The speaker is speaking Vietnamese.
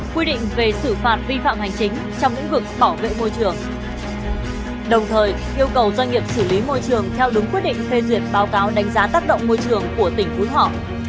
quy định về xử phạt vi phạm hành chính trong lĩnh vực bảo vệ môi trường đồng thời yêu cầu doanh nghiệp xử lý môi trường theo đúng quyết định phê duyệt báo cáo đánh giá tác động môi trường của tỉnh phú thọ